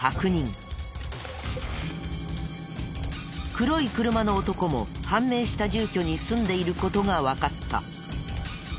黒い車の男も判明した住居に住んでいる事がわかった。